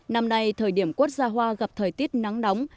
năm nay thời điểm quất ra hoa gặp thời tiết nắng nóng